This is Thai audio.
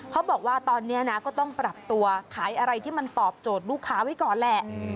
เขาบอกว่าตอนนี้นะก็ต้องปรับตัวขายอะไรที่มันตอบโจทย์ลูกค้าไว้ก่อนแหละ